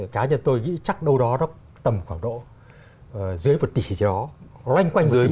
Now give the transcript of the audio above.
cá nhân tôi nghĩ chắc đâu đó đó tầm khoảng độ dưới một tỷ thì đó loanh quanh một tỷ